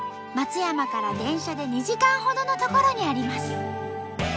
松山から電車で２時間ほどの所にあります。